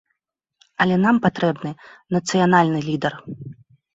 Але нам патрэбны нацыянальны лідар.